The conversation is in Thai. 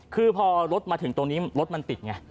คือพอรถมาถึงตรงนี้รถมันติดไง